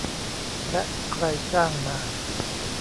และใครจ้างมา